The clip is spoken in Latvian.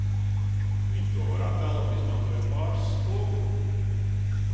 Viņi to var attēlot, izmantojot pāris spoguļu!